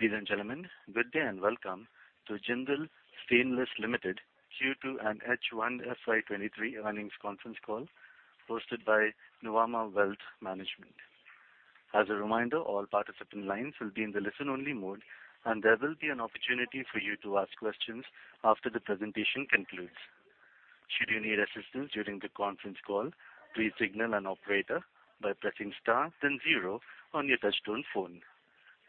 Ladies and gentlemen, good day and welcome to Jindal Stainless Limited Q2 and H1 FY23 Earnings Conference Call hosted by Nuvama Wealth Management. As a reminder, all participant lines will be in the listen-only mode, and there will be an opportunity for you to ask questions after the presentation concludes. Should you need assistance during the conference call, please signal an operator by pressing star then zero on your touchtone phone.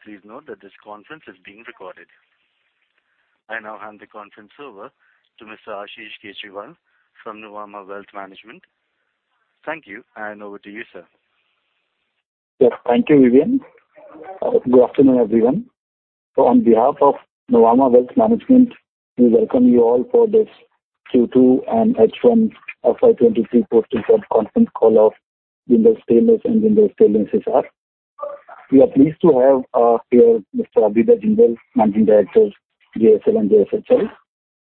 Please note that this conference is being recorded. I now hand the conference over to Mr. Ashish Kejriwal from Nuvama Wealth Management. Thank you, and over to you, sir. Yes. Thank you, Vivian. Good afternoon, everyone. On behalf of Nuvama Wealth Management, we welcome you all for this Q2 and H1 FY 2023 quarter conference call of Jindal Stainless and Jindal Stainless Hisar. We are pleased to have here Mr. Abhyuday Jindal, Managing Director, JSL and JSHL,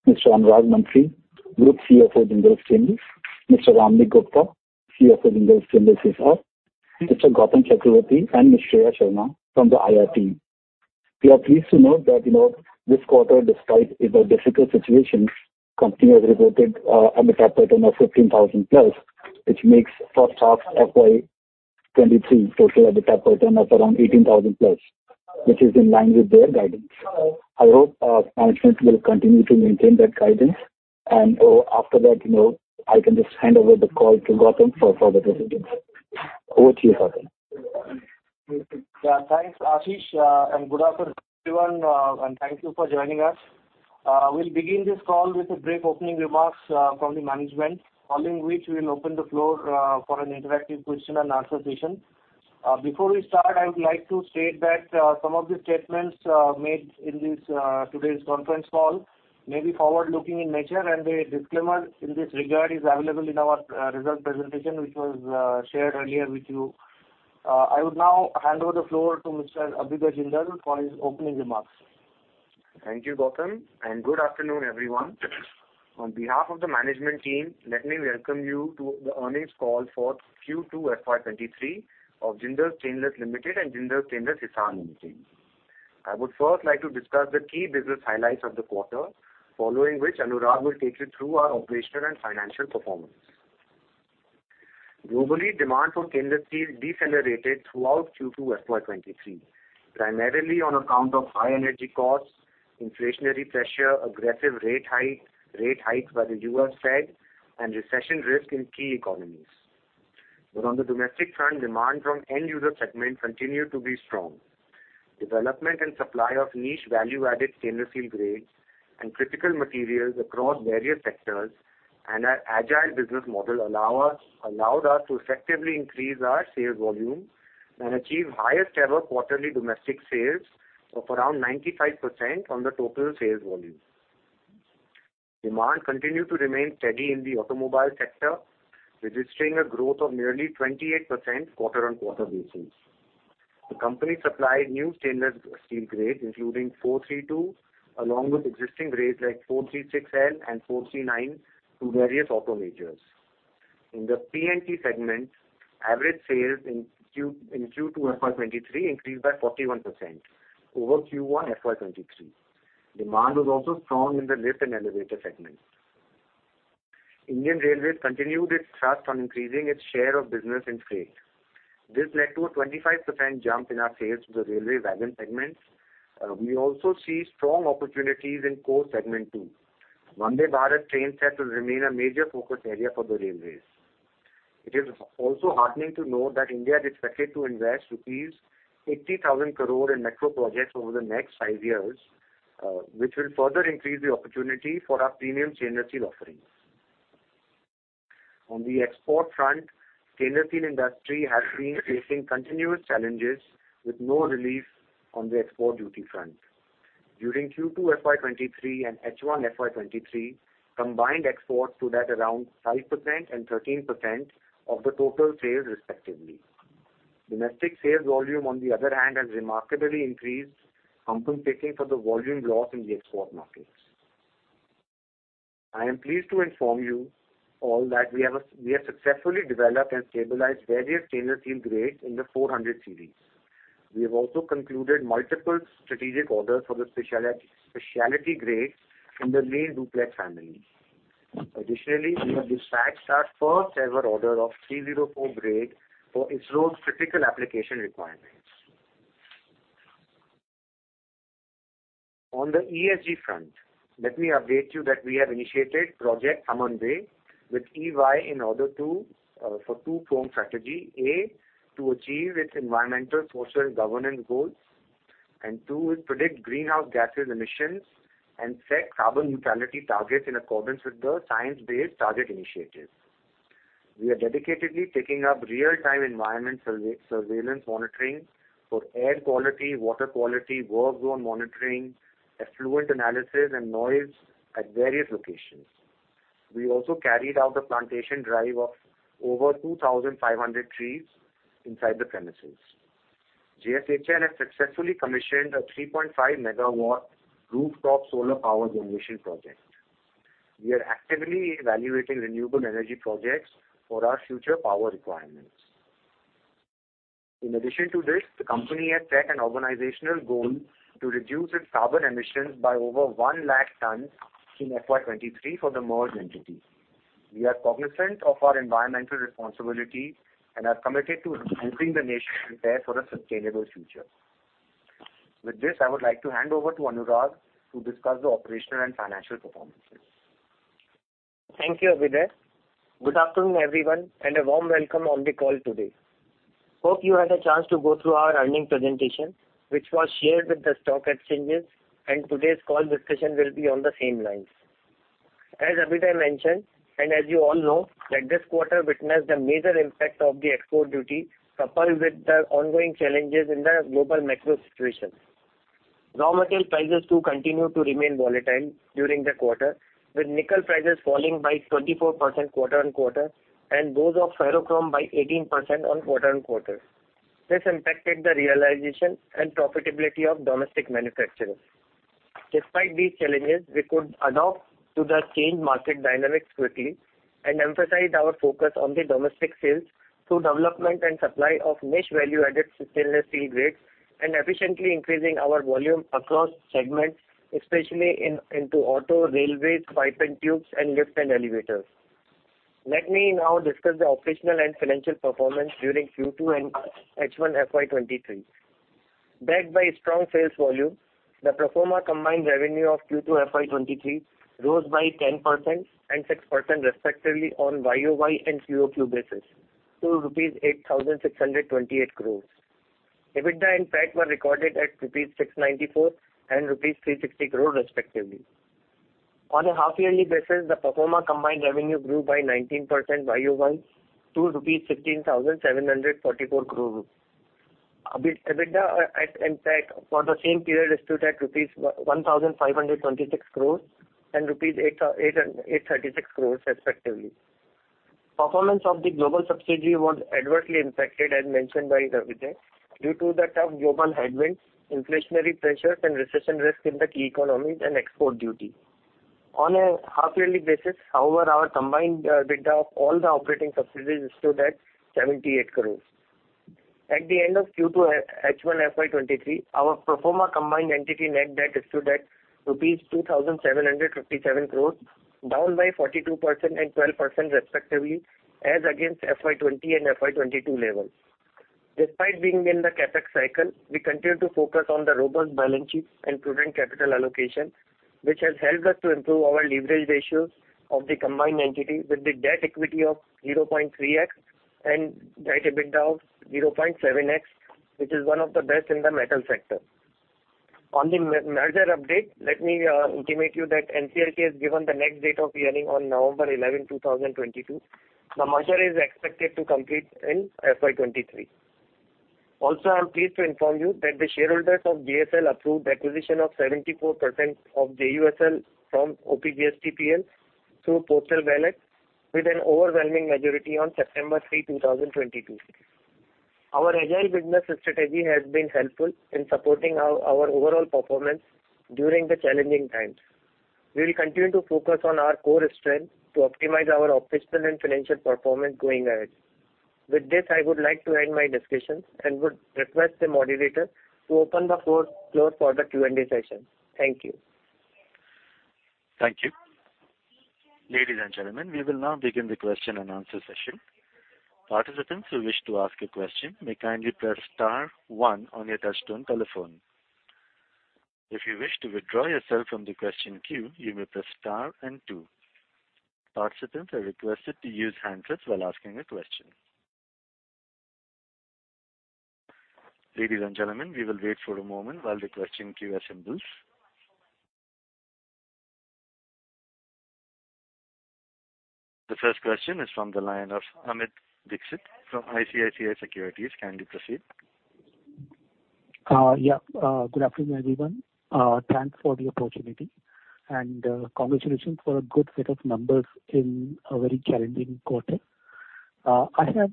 Mr. Anurag Mantri, Group CFO, Jindal Stainless, Mr. Ramnik Gupta, CFO, Jindal Stainless Hisar, Mr. Gautam Chakraborty, and Ms. Shreya Sharma from the IR team. We are pleased to note that, you know, this quarter, despite, it's a difficult situation, company has reported EBITDA of 15+, which makes first half FY 2023 total EBITDA of around 18,000+, which is in line with their guidance. I hope management will continue to maintain that guidance and, after that, you know, I can just hand over the call to Gautam for the presentation. Over to you, Gautam. Yeah. Thanks, Ashish. Good afternoon, everyone, and thank you for joining us. We'll begin this call with a brief opening remarks from the management, following which we will open the floor for an interactive question and answer session. Before we start, I would like to state that some of the statements made in this today's conference call may be forward-looking in nature, and a disclaimer in this regard is available in our result presentation, which was shared earlier with you. I would now hand over the floor to Mr. Abhyuday Jindal for his opening remarks. Thank you, Gautam, and good afternoon, everyone. On behalf of the management team, let me welcome you to the earnings call for Q2 FY23 of Jindal Stainless Limited and Jindal Stainless Hisar Limited. I would first like to discuss the key business highlights of the quarter, following which Anurag will take you through our operational and financial performance. Globally, demand for stainless steel decelerated throughout Q2 FY23, primarily on account of high energy costs, inflationary pressure, aggressive rate hikes by the U.S. Fed, and recession risk in key economies. On the domestic front, demand from end user segment continued to be strong. Development and supply of niche value-added stainless steel grades and critical materials across various sectors and our agile business model allowed us to effectively increase our sales volume and achieve highest ever quarterly domestic sales of around 95% of the total sales volume. Demand continued to remain steady in the automobile sector, registering a growth of nearly 28% quarter-on-quarter basis. The company supplied new stainless steel grades, including 432, along with existing grades like 436L and 439 to various auto majors. In the P&T segment, average sales in Q2 FY 2023 increased by 41% over Q1 FY 2023. Demand was also strong in the lift and elevator segment. Indian Railways continued its thrust on increasing its share of business in freight. This led to a 25% jump in our sales to the railway wagon segment. We also see strong opportunities in rail segment too. Vande Bharat train set will remain a major focus area for the railways. It is also heartening to know that India is expected to invest rupees 80,000 crore in metro projects over the next five years, which will further increase the opportunity for our premium stainless steel offerings. On the export front, stainless steel industry has been facing continuous challenges with no relief on the export duty front. During Q2 FY23 and H1 FY23, combined exports stood at around 5% and 13% of the total sales, respectively. Domestic sales volume, on the other hand, has remarkably increased, compensating for the volume loss in the export markets. I am pleased to inform you all that we have successfully developed and stabilized various stainless steel grades in the 400 series. We have also concluded multiple strategic orders for the specialty grades in the lean duplex family. Additionally, we have dispatched our first ever order of 304 grade for ISRO's critical application requirements. On the ESG front, let me update you that we have initiated Project Samanvay with EY in order to for two-pronged strategy. A, to achieve its environmental social governance goals. Two, is project greenhouse gases emissions and set carbon neutrality targets in accordance with the Science Based Targets initiative. We are dedicatedly taking up real-time environmental surveillance monitoring for air quality, water quality, work zone monitoring, effluent analysis, and noise at various locations. We also carried out the plantation drive of over 2,500 trees inside the premises. JSHL has successfully commissioned a 3.5-megawatt rooftop solar power generation project. We are actively evaluating renewable energy projects for our future power requirements. In addition to this, the company has set an organizational goal to reduce its carbon emissions by over one lakh tons in FY23 for the merged entity. We are cognizant of our environmental responsibility and are committed to helping the nation prepare for a sustainable future. With this, I would like to hand over to Anurag to discuss the operational and financial performances. Thank you, Abhyuday. Good afternoon, everyone, and a warm welcome on the call today. Hope you had a chance to go through our earnings presentation, which was shared with the stock exchanges, and today's call discussion will be on the same lines. As Abhyuday mentioned, and as you all know, that this quarter witnessed a major impact of the export duty, coupled with the ongoing challenges in the global macro situation. Raw material prices too continued to remain volatile during the quarter, with nickel prices falling by 24% quarter-on-quarter, and those of ferrochrome by 18% quarter-on-quarter. This impacted the realization and profitability of domestic manufacturing. Despite these challenges, we could adapt to the changed market dynamics quickly and emphasize our focus on the domestic sales through development and supply of niche value-added sustainable steel grades and efficiently increasing our volume across segments, especially in, into auto, railways, pipe and tubes, and lift and elevators. Let me now discuss the operational and financial performance during Q2 and H1 FY23. Backed by strong sales volume, the pro forma combined revenue of Q2 FY23 rose by 10% and 6% respectively on YOY and QOQ basis to rupees 8,628 crore. EBITDA and PAT were recorded at rupees 694 crore and rupees 360 crore respectively. On a half yearly basis, the pro forma combined revenue grew by 19% YOY to rupees 15,744 crore. EBITDA and PAT for the same period stood at rupees 1,526 crores and 836 crores respectively. Performance of the global subsidiary was adversely impacted, as mentioned by Abhyuday Jindal, due to the tough global headwinds, inflationary pressures and recession risk in the key economies and export duty. On a half yearly basis, however, our combined EBITDA of all the operating subsidiaries stood at 78 crores. At the end of Q2 H1 FY 2023, our pro forma combined entity net debt stood at rupees 2,757 crores, down by 42% and 12% respectively as against FY 2020 and FY 2022 levels. Despite being in the CapEx cycle, we continue to focus on the robust balance sheet and prudent capital allocation, which has helped us to improve our leverage ratios of the combined entity with the debt equity of 0.3x and debt EBITDA of 0.7x, which is one of the best in the metal sector. On the merger update, let me intimate you that NCLT has given the next date of hearing on November 11, 2022. The merger is expected to complete in FY23. Also, I'm pleased to inform you that the shareholders of JSL approved the acquisition of 74% of JUSL from OPJSTPL through postal ballot with an overwhelming majority on September 3, 2022. Our agile business strategy has been helpful in supporting our overall performance during the challenging times. We'll continue to focus on our core strength to optimize our operational and financial performance going ahead. With this, I would like to end my discussions and would request the moderator to open the floor for the Q&A session. Thank you. Thank you. Ladies and gentlemen, we will now begin the question and answer session. Participants who wish to ask a question may kindly press star one on your touchtone telephone. If you wish to withdraw yourself from the question queue, you may press star and two. Participants are requested to use handsets while asking a question. Ladies and gentlemen, we will wait for a moment while the question queue assembles. The first question is from the line of Amit Dixit from ICICI Securities. Kindly proceed. Yeah. Good afternoon, everyone. Thanks for the opportunity and congratulations for a good set of numbers in a very challenging quarter. I have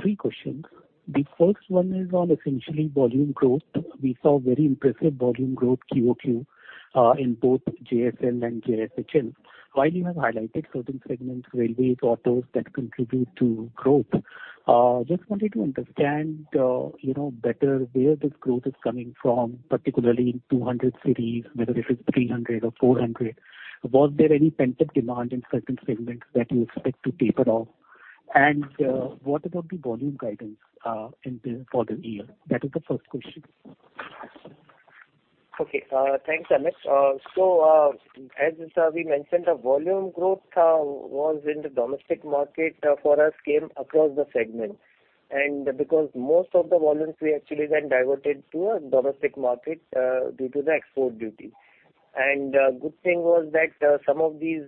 three questions. The first one is on essentially volume growth. We saw very impressive volume growth QOQ in both JSL and JSHL. While you have highlighted certain segments, railways, autos that contribute to growth, just wanted to understand, you know, better where this growth is coming from, particularly in 200 series, whether if it's 300 or 400. Was there any pent-up demand in certain segments that you expect to taper off? What about the volume guidance for the year? That is the first question. Okay. Thanks, Amit. So, as we mentioned, the volume growth was in the domestic market for us came across the segment. Because most of the volumes we actually then diverted to a domestic market due to the export duty. Good thing was that some of these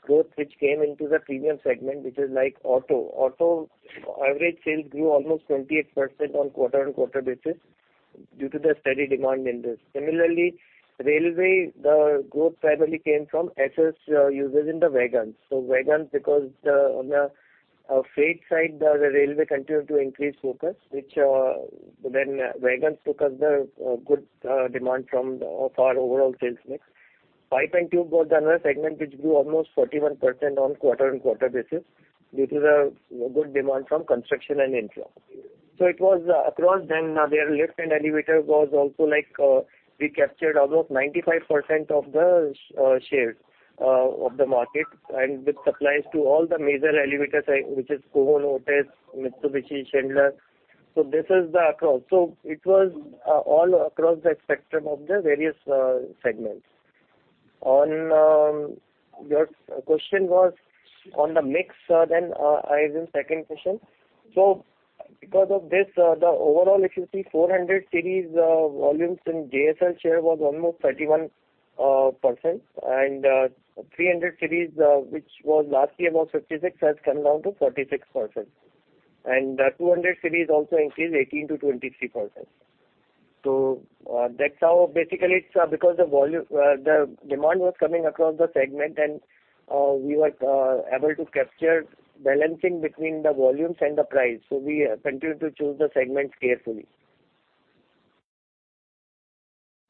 growth which came into the premium segment, which is like auto. Auto average sales grew almost 28% on quarter-on-quarter basis due to the steady demand in this. Similarly, railway, the growth primarily came from excess usage in the wagons. Wagons because the, on the freight side, the railway continued to increase focus, which then wagons took up the good demand from of our overall sales mix. Pipe and tube was another segment which grew almost 41% on quarter-on-quarter basis due to the good demand from construction and infra. It was across then their lift and elevator was also like we captured almost 95% of the share of the market and with supplies to all the major elevator which is KONE, Otis, Mitsubishi, Schindler. This is the across. It was all across the spectrum of the various segments. On your question was on the mix then I think second question. Because of this the overall if you see 400 series volumes in JSL share was almost 31% and 300 series which was last year was 56 has come down to 46%. 200 series also increased 18%-23%. That's how basically it's because the demand was coming across the segment, and we were able to capture balancing between the volumes and the price. We continue to choose the segment carefully.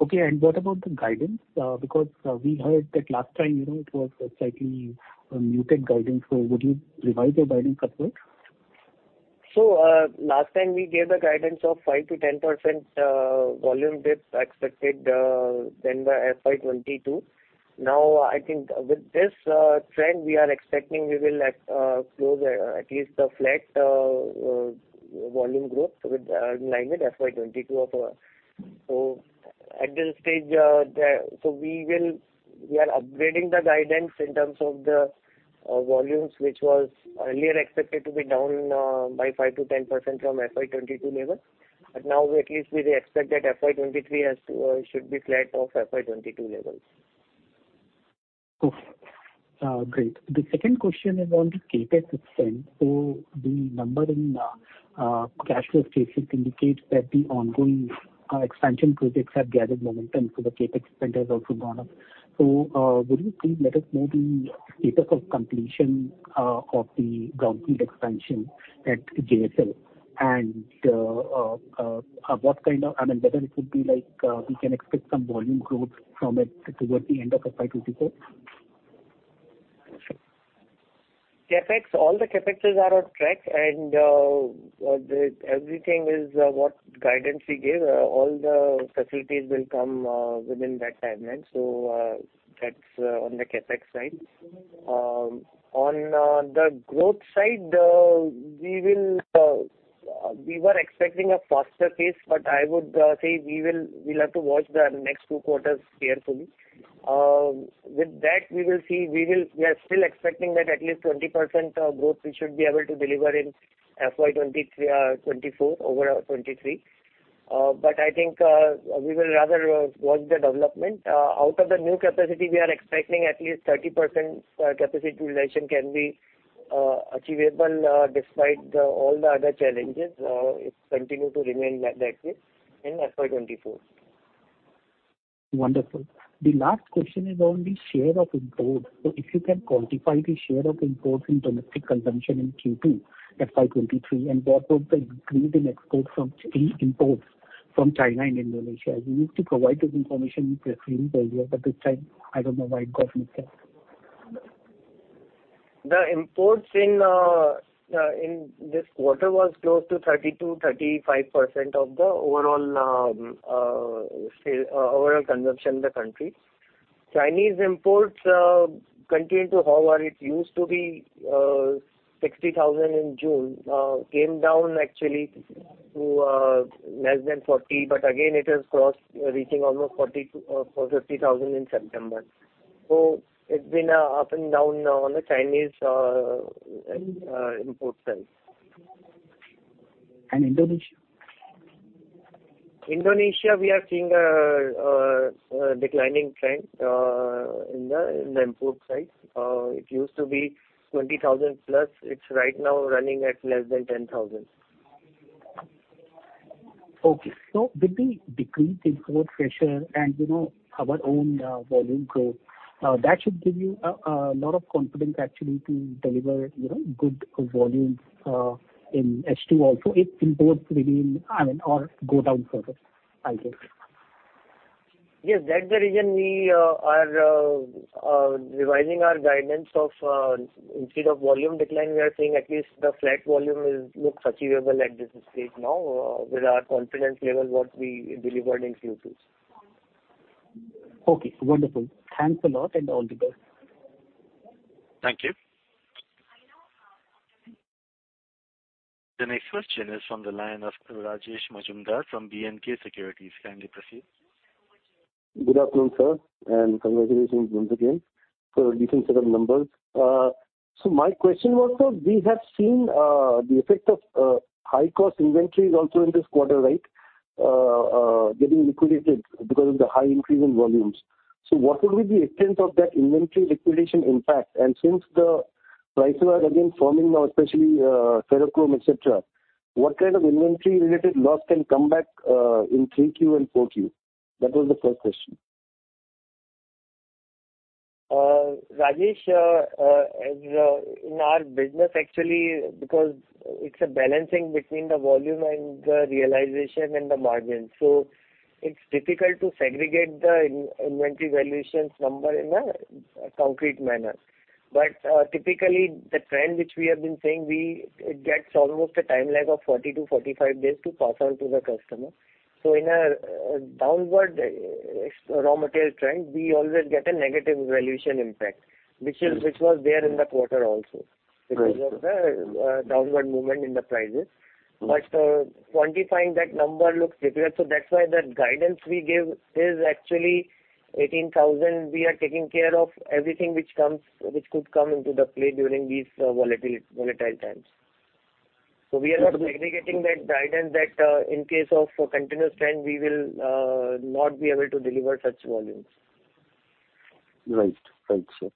Okay. What about the guidance? Because we heard that last time, you know, it was a slightly muted guidance. Would you revise your guidance as well? Last time we gave a guidance of 5%-10% volume dip expected by FY22. Now, I think with this trend, we are expecting we will close at least a flat volume growth in line with FY22. At this stage we are upgrading the guidance in terms of the volumes, which was earlier expected to be down by 5%-10% from FY22 level. Now we at least expect that FY23 should be flat to FY22 levels. Great. The second question is on the CapEx spend. The number in cash flow statement indicates that the ongoing expansion projects have gathered momentum, so the CapEx spend has also gone up. Would you please let us know the status of completion of the Brownfield expansion at JSL, and, I mean, whether it would be like we can expect some volume growth from it towards the end of FY2024? CapEx, all the CapExes are on track and everything is what guidance we gave. All the facilities will come within that timeline. That's on the CapEx side. On the growth side, we were expecting a faster pace, but I would say we'll have to watch the next two quarters carefully. With that, we will see. We are still expecting that at least 20% growth we should be able to deliver in FY 2023, 2024 over 2023. I think we will rather watch the development. Out of the new capacity we are expecting at least 30% capacity utilization can be achievable despite all the other challenges. It continue to remain like that way in FY2024. Wonderful. The last question is on the share of imports. If you can quantify the share of imports in domestic consumption in Q2 FY23, and what was the increase in imports from China and Indonesia? You used to provide this information previously earlier, but this time I don't know why it got missed out. The imports in this quarter was close to 32%-35% of the overall sales overall consumption in the country. Chinese imports continue to hover. It used to be 60,000 in June, came down actually to less than 40,000, but again, it has crossed, reaching almost 40,000-50,000 in September. It's been up and down now on the Chinese import side. Indonesia? Indonesia, we are seeing a declining trend in the import side. It used to be 20,000+. It's right now running at less than 10,000. Okay. With the decreased import pressure and, you know, our own volume growth, that should give you a lot of confidence actually to deliver, you know, good volume in H2 also if imports remain, I mean, or go down further, I think. Yes. That's the reason we are revising our guidance. Instead of volume decline, we are saying at least the flat volume looks achievable at this stage now, with our confidence level what we delivered in Q2. Okay, wonderful. Thanks a lot and all the best. Thank you. The next question is from the line of Rajesh Majumdar from B&K Securities. Kindly proceed. Good afternoon, sir, and congratulations once again for a decent set of numbers. My question was, sir, we have seen the effect of high-cost inventories also in this quarter, right? Getting liquidated because of the high increase in volumes. What will be the extent of that inventory liquidation impact? And since the prices are again forming now, especially Ferrochrome, et cetera, what kind of inventory-related loss can come back in 3Q and 4Q? That was the first question. Rajesh, in our business actually because it's a balancing between the volume and the realization and the margin. It's difficult to segregate the in-inventory valuations number in a concrete manner. Typically the trend which we have been saying, it gets almost a time lag of 40-45 days to pass on to the customer. In a downward raw material trend, we always get a negative valuation impact, which was there in the quarter also. Right. Because of the downward movement in the prices. Quantifying that number looks difficult. That's why the guidance we give is actually 18,000. We are taking care of everything which could come into play during these volatile times. We are not segregating that guidance that in case of continuous trend, we will not be able to deliver such volumes. Right, sir.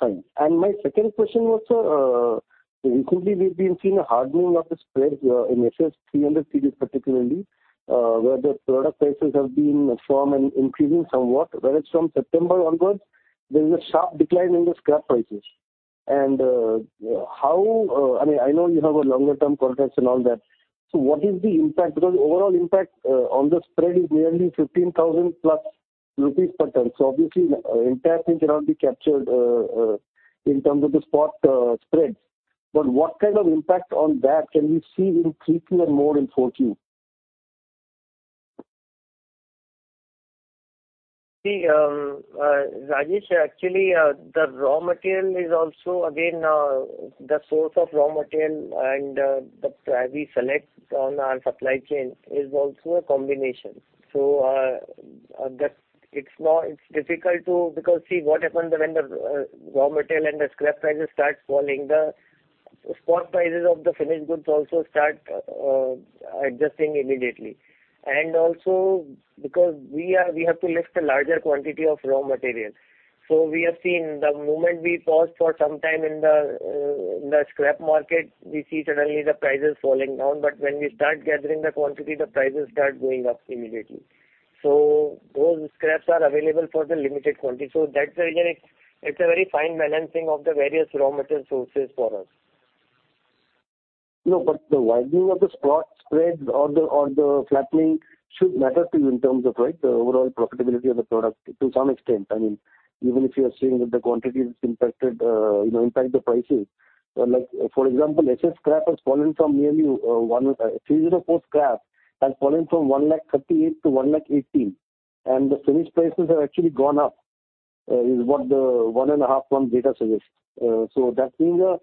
Fine. My second question was, sir, recently we've been seeing a hardening of the spread here in SS 300 series, particularly, where the product prices have been firm and increasing somewhat. Whereas from September onwards, there is a sharp decline in the scrap prices. How – I mean, I know you have longer term contracts and all that. So what is the impact? Because overall impact on the spread is nearly 15,000+ rupees per ton. So obviously the entire thing cannot be captured in terms of the spot spreads. But what kind of impact on that can we see in 3Q and more in Q4? See, Rajesh, actually, the raw material is also again, the source of raw material and that we select on our supply chain is also a combination. That it's difficult to because see what happens when the raw material and the scrap prices start falling, the spot prices of the finished goods also start adjusting immediately. Also because we have to list a larger quantity of raw material. We have seen the moment we pause for some time in the scrap market, we see suddenly the prices falling down. When we start gathering the quantity, the prices start going up immediately. Those scraps are available for the limited quantity. That's the reason it's a very fine balancing of the various raw material sources for us. No, but the widening of the spot spreads or the flattening should matter to you in terms of, right, the overall profitability of the product to some extent. I mean, even if you are saying that the quantity is impacted, you know, impact the prices. Like for example, SS scrap has fallen from nearly 304 scrap has fallen from INR 1.38 lakh to 1.18 lakh, and the finished prices have actually gone up, is what the one and a half month data suggests. That's been a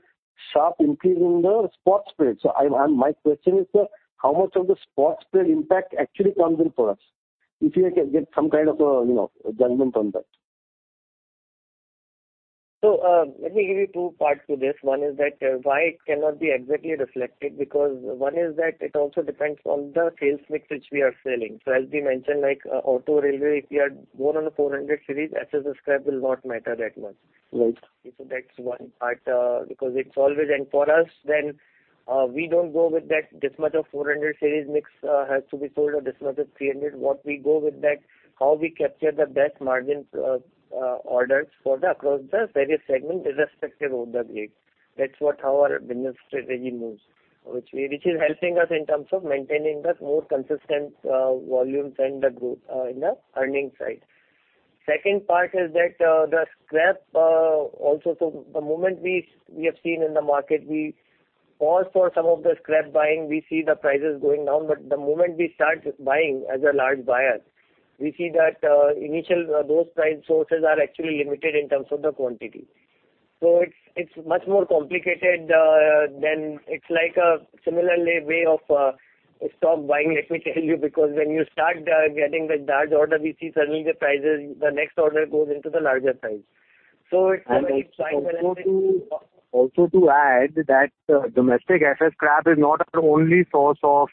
sharp increase in the spot spread. My question is, sir, how much of the spot spread impact actually comes in for us? If you can get some kind of, you know, judgment on that. Let me give you two parts to this. One is that why it cannot be exactly reflected, because one is that it also depends on the sales mix which we are selling. As we mentioned, like, auto, railway, if you are more on the 400 series, SS scrap will not matter that much. Right. That's one part, because it's always for us then, we don't go with that this much of 400 series mix has to be sold or this much of 300. What we go with that, how we capture the best margins, orders across the various segments irrespective of the grade. That's what how our business strategy moves, which is helping us in terms of maintaining the more consistent volumes and the growth in the earnings side. Second part is that, the scrap also so the moment we have seen in the market, we pause for some of the scrap buying. We see the prices going down. The moment we start buying as a large buyer, we see that initially those price sources are actually limited in terms of the quantity. It's much more complicated than it's like a similar way of stock buying, let me tell you, because when you start getting the large order, we see suddenly the prices, the next order goes into the larger size. It's a very fine balancing. Also to add that domestic as a scrap is not our only source of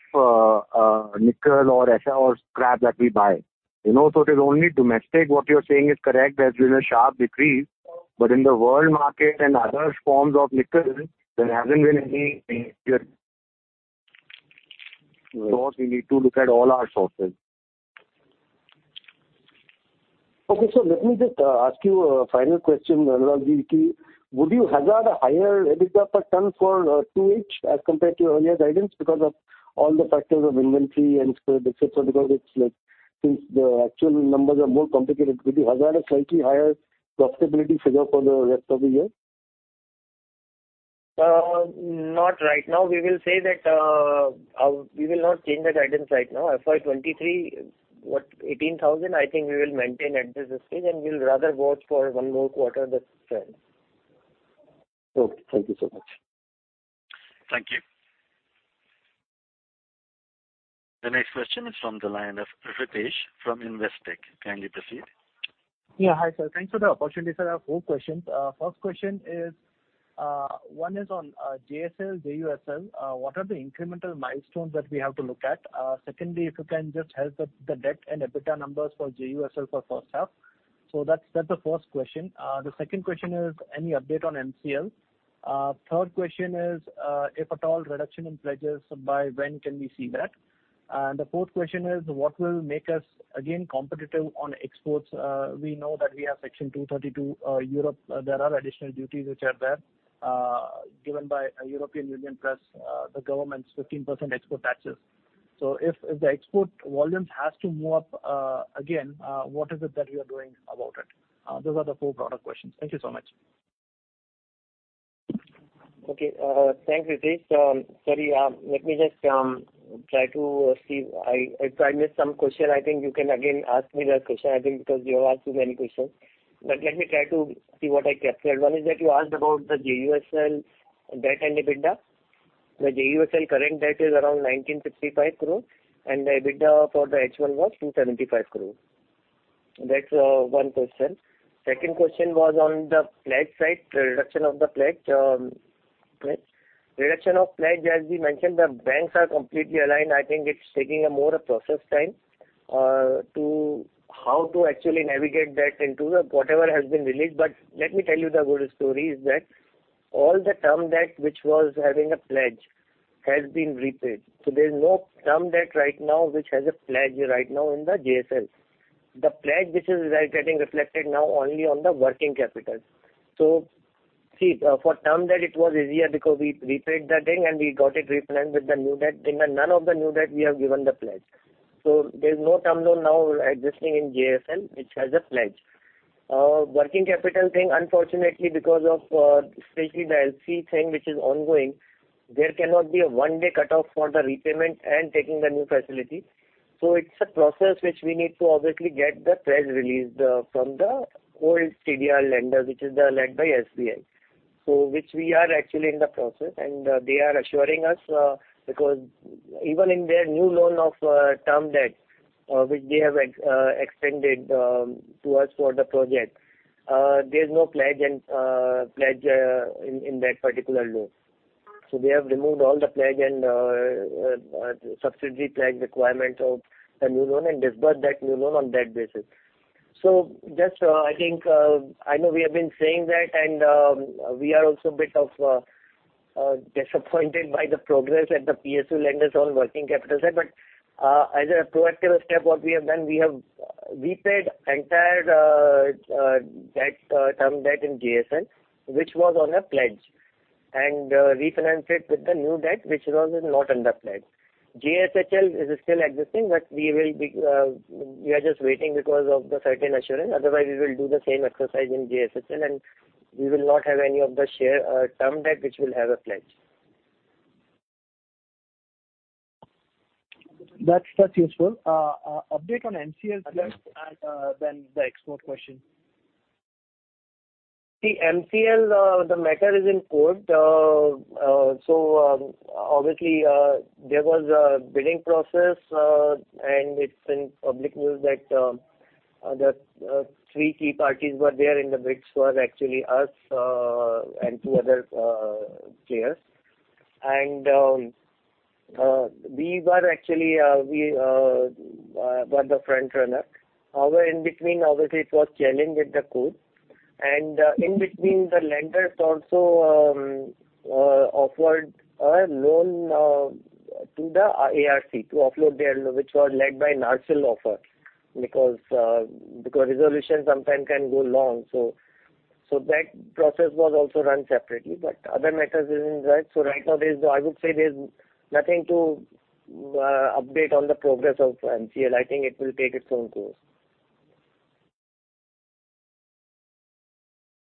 nickel or scrap that we buy. You know, so it is only domestic. What you're saying is correct. There's been a sharp decrease, but in the world market and other forms of nickel, there hasn't been any major. Right. We need to look at all our sources. Okay. Let me just ask you a final question, Mr. Anurag Mantri. Would you hazard a higher EBITDA per ton for 2H as compared to your earlier guidance because of all the factors of inventory and spread, et cetera? Because it's like since the actual numbers are more complicated, would you hazard a slightly higher profitability figure for the rest of the year? Not right now. We will say that, we will not change the guidance right now. FY23 at 18,000, I think we will maintain at this stage, and we'll rather watch for one more quarter the trend. Okay. Thank you so much. Thank you. The next question is from the line of Ritesh Shah from Investec. Kindly proceed. Yeah. Hi, sir. Thanks for the opportunity, sir. I have four questions. First question is one is on JSL, JUSL. What are the incremental milestones that we have to look at? Secondly, if you can just help the debt and EBITDA numbers for JUSL for first half. So that's the first question. Second question is any update on MCL? Third question is, if at all reduction in pledges, by when can we see that? Fourth question is what will make us again competitive on exports? We know that we have Section 232. Europe, there are additional duties which are there, given by European Union plus the government's 15% export taxes. So if the export volumes has to move up, again, what is it that you are doing about it? Those are the four broader questions. Thank you so much. Okay. Thanks, Ritesh. Sorry, let me just try to see. If I missed some question, I think you can again ask me that question, I think because you have asked too many questions. Let me try to see what I captured. One is that you asked about the JUSL debt and EBITDA. The JUSL current debt is around 1,955 crore and the EBITDA for the H1 was 275 crore. That's one question. Second question was on the pledge side, the reduction of the pledge. Reduction of pledge, as we mentioned, the banks are completely aligned. I think it's taking more process time to how to actually navigate that into the whatever has been released. Let me tell you the good story is that all the term debt which was having a pledge has been repaid. There's no term debt right now, which has a pledge right now in the JSL. The pledge which is getting reflected now only on the working capital. See, for term debt it was easier because we prepaid the thing and we got it refinanced with the new debt. In none of the new debt we have given the pledge. There's no term loan now existing in JSL which has a pledge. Working capital thing, unfortunately, because of especially the LC thing which is ongoing, there cannot be a one-day cutoff for the repayment and taking the new facility. It's a process which we need to obviously get the pledge released from the old CDR lender, which is led by SBI. Which we are actually in the process and they are assuring us because even in their new loan of term debt which they have extended to us for the project there's no pledge in that particular loan. They have removed all the pledge and subsidiary pledge requirements of the new loan and disbursed that new loan on that basis. Just I think I know we have been saying that and we are also a bit disappointed by the progress at the PSU lenders on working capital side. As a proactive step, what we have done, we have repaid entire term debt in JSL, which was on a pledge and refinanced it with the new debt, which was not under pledge. JSHL is still existing, but we are just waiting because of the certain assurance. Otherwise we will do the same exercise in JSHL, and we will not have any term debt which will have a pledge. That's useful. Update on NCLT and then the export question. The NCLT, the matter is in court. Obviously, there was a bidding process, and it's in public news that the three key parties were there in the bids was actually us, and two other players. We were actually the frontrunner. However, in between, obviously it was challenged in the court and, in between the lenders also offered a loan to the ARC to offload their loans which was led by NARCL offer because resolution sometimes can go long. That process was also run separately, but the matter is in court. Right now there's nothing to update on the progress of NCLT. I think it will take its own course.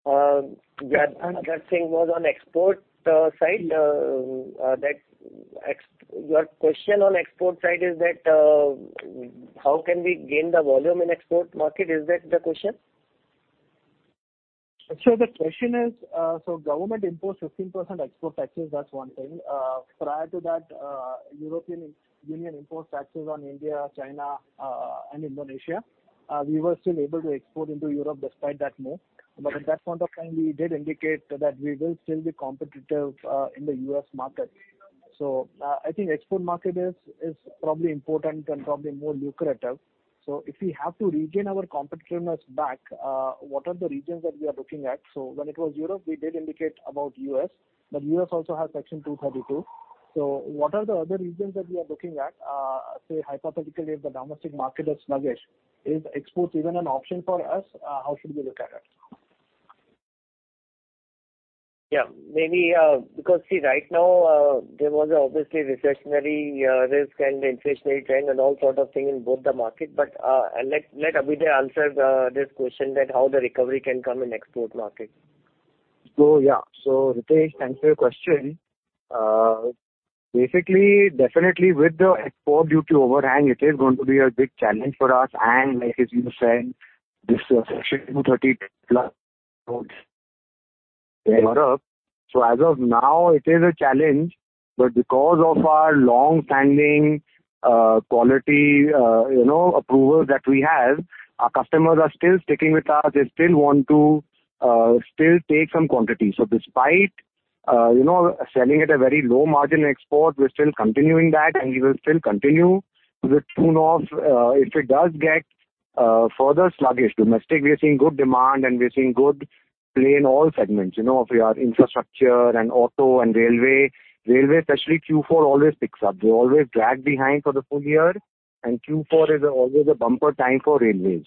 The other thing was on export side. That, your question on export side is that, how can we gain the volume in export market? Is that the question? The question is, government imposed 15% export taxes, that's one thing. Prior to that, European Union imposed taxes on India, China, and Indonesia. We were still able to export into Europe despite that move. But at that point of time, we did indicate that we will still be competitive in the U.S. market. I think export market is probably important and probably more lucrative. If we have to regain our competitiveness back, what are the regions that we are looking at? When it was Europe, we did indicate about U.S., but U.S. also has Section 232. What are the other regions that we are looking at? Say hypothetically, if the domestic market is sluggish, is exports even an option for us? How should we look at it? Yeah, maybe, because see right now, there was obviously recessionary risk and inflationary trend and all sort of thing in both the market. Let Abhyuday answer this question that how the recovery can come in export market. Ritesh, thanks for your question. Basically, definitely with the export duty overhang, it is going to be a big challenge for us. Like Abhyuday said, this Section 232 plus. As of now it is a challenge, but because of our long-standing quality, you know, approval that we have, our customers are still sticking with us. They still want to still take some quantity. Despite, you know, selling at a very low margin export, we're still continuing that and we will still continue to the tune of, if it does get- No further sluggish domestic. We are seeing good demand and we are seeing good pull in all segments, you know, of your infrastructure and auto and railway. Railway, especially Q4 always picks up. They always drag behind for the full year, and Q4 is always a bumper time for railways.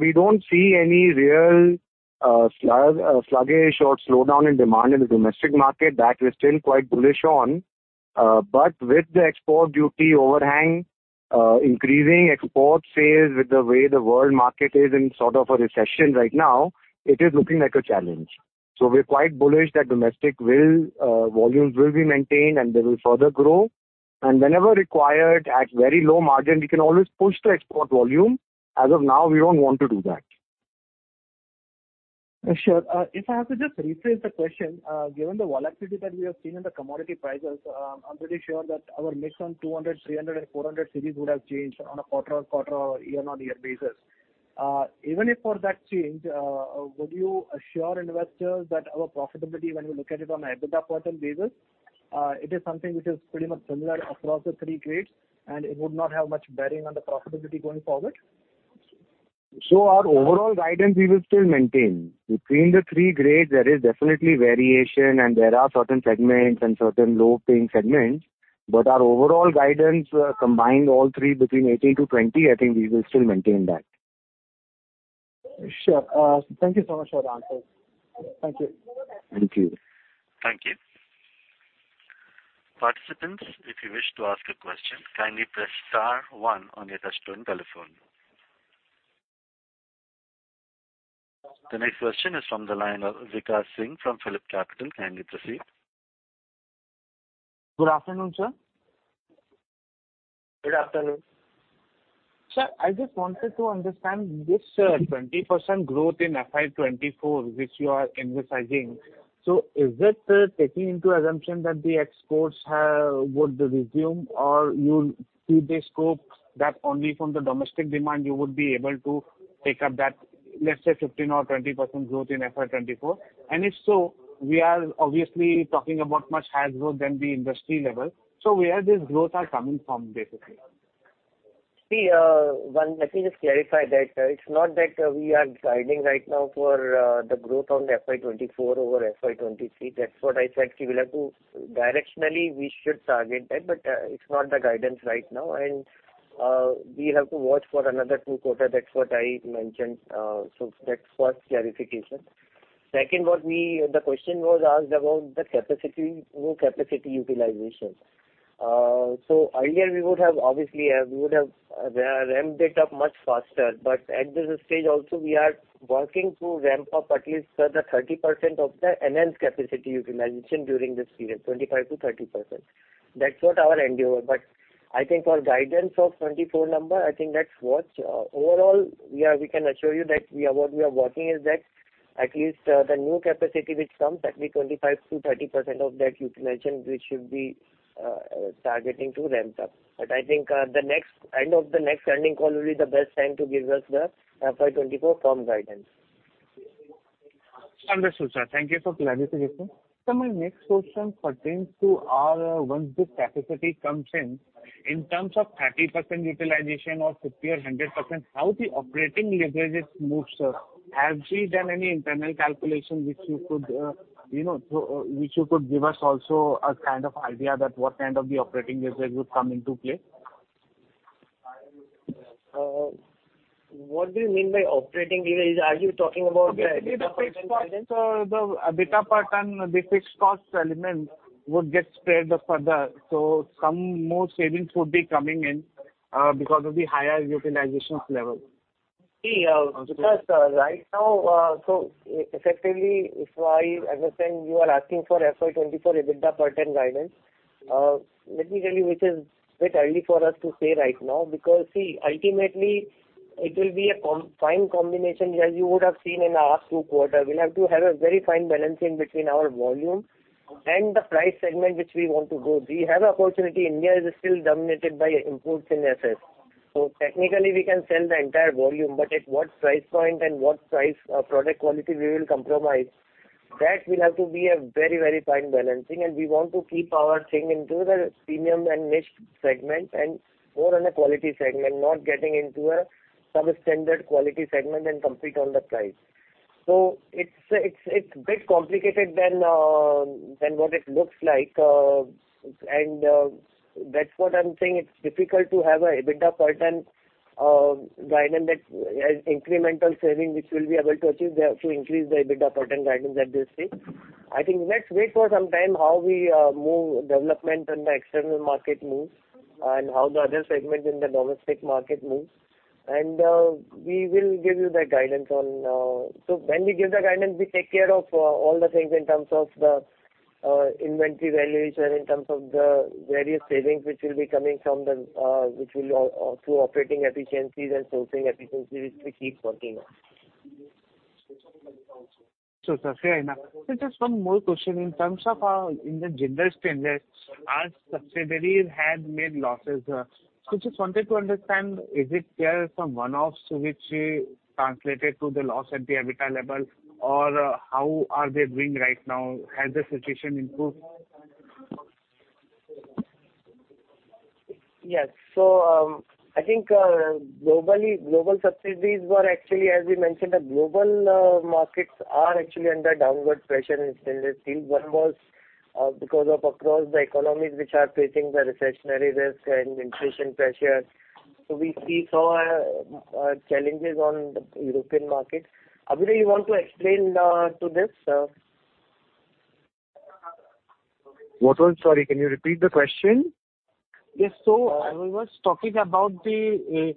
We don't see any real, sluggish or slowdown in demand in the domestic market. That we're still quite bullish on. With the export duty overhang, increasing export sales with the way the world market is in sort of a recession right now, it is looking like a challenge. We're quite bullish that domestic will, volumes will be maintained and they will further grow. Whenever required, at very low margin, we can always push the export volume. As of now, we don't want to do that. Sure. If I have to just rephrase the question, given the volatility that we have seen in the commodity prices, I'm pretty sure that our mix on 200, 300 and 400 series would have changed on a quarter-on-quarter or year-on-year basis. Even if for that change, would you assure investors that our profitability when we look at it on a EBITDA per ton basis, it is something which is pretty much similar across the three grades, and it would not have much bearing on the profitability going forward? Our overall guidance we will still maintain. Between the three grades, there is definitely variation and there are certain segments and certain low-paying segments, but our overall guidance, combined all three between 18%-20%, I think we will still maintain that. Sure. Thank you so much for the answers. Thank you. Thank you. Thank you. Participants, if you wish to ask a question, kindly press star one on your touch-tone telephone. The next question is from the line of Vikash Singh from Phillip Capital. Kindly proceed. Good afternoon, sir. Good afternoon. Sir, I just wanted to understand this 20% growth in FY 2024 which you are emphasizing. Is it taking into assumption that the exports would resume or you see the scope that only from the domestic demand you would be able to take up that, let's say, 15% or 20% growth in FY 2024? And if so, we are obviously talking about much higher growth than the industry level. Where this growth are coming from, basically? See, one, let me just clarify that it's not that we are guiding right now for the growth on FY2024 over FY2023. That's what I said. Directionally we should target that, but it's not the guidance right now and we have to watch for another two quarter. That's what I mentioned. That's for clarification. Second was the question was asked about the capacity, new capacity utilization. Earlier we would have obviously ramped it up much faster. At this stage also we are working to ramp up at least for the 30% of the enhanced capacity utilization during this period, 25%-30%. That's what our endeavor. I think for guidance of 2024 number, I think let's watch. Overall, yeah, we can assure you that we are, what we are working is that at least, the new capacity which comes at the 25%-30% of that utilization, we should be, targeting to ramp up. I think, the end of the next earnings call will be the best time to give us the FY 2024 firm guidance. Understood, sir. Thank you for clarity. Sir, my next question pertains to our once this capacity comes in terms of 30% utilization or 50 or 100%, how the operating leverage moves, sir? Have you done any internal calculation which you could give us also a kind of idea that what kind of the operating leverage would come into play? What do you mean by operating leverage? Are you talking about the EBITDA per ton guidance? Maybe the fixed costs, the EBITDA per ton, the fixed cost element would get spread further, so some more savings would be coming in, because of the higher utilizations level. See, Vikash, right now, effectively, if I understand, you are asking for FY 2024 EBITDA per ton guidance. Let me tell you, which is bit early for us to say right now, because see, ultimately it will be a fine combination, as you would have seen in our last two quarter. We'll have to have a very fine balancing between our volume and the price segment which we want to go. We have opportunity. India is still dominated by imports in austenitics. Technically we can sell the entire volume, but at what price point and what price, product quality we will compromise, that will have to be a very, very fine balancing and we want to keep our thing into the premium and niche segment and more on a quality segment, not getting into a substandard quality segment and compete on the price. It's a bit complicated than what it looks like. That's what I'm saying. It's difficult to have an EBITDA per ton guidance that has incremental savings which will be able to achieve to increase the EBITDA per ton guidance at this stage. I think let's wait for some time how we move development and the external market moves and how the other segments in the domestic market moves and we will give you the guidance. When we give the guidance, we take care of all the things in terms of the inventory valuation, in terms of the various savings which will be coming from the which will through operating efficiencies and sourcing efficiencies which we keep working on. Sure, sir. Fair enough. Sir, just one more question. In terms of in the general standards, our subsidiaries had made losses. Just wanted to understand, is it there some one-offs which we translated to the loss at the EBITDA level? Or how are they doing right now? Has the situation improved? Yes. I think globally, global subsidiaries were actually, as we mentioned, the global markets are actually under downward pressure in stainless steel. One was because of across the economies which are facing the recessionary risk and inflation pressure. We see some challenges on the European market. Abhyuday Jindal, you want to explain to this? Sorry, can you repeat the question? Yes. I was talking about the